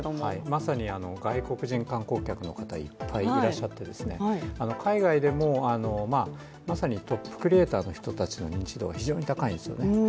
まさに外国人観光客の方いっぱいいらっしゃって、海外でもまさにクリエーターの人たちの認知度が非常に高いんですね。